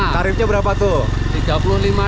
tarifnya berapa tuh